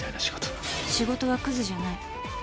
仕事はクズじゃない。